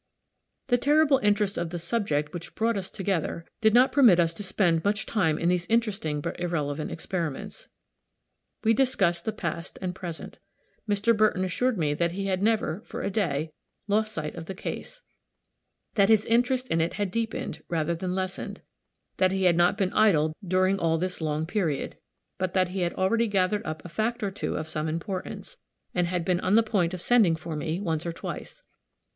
The terrible interest of the subject which had brought us together did not permit us to spend much time in these interesting but irrelevant experiments. We discussed the past and present. Mr. Burton assured me that he had never, for a day, lost sight of the case that his interest in it had deepened, rather than lessened; that he had not been idle during all this long period; but that he had already gathered up a fact or two of some importance, and had been on the point of sending for me, once or twice.